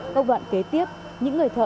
công đoạn kế tiếp những người thợ